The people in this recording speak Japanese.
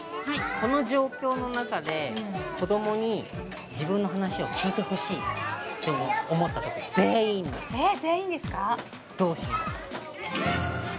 この状況の中で子どもに自分の話を聞いてほしいって思ったとき全員えっ全員ですかどうしますか？